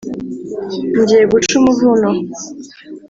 ngiye guca umuvuno